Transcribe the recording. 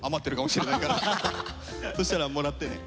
そしたらもらってね。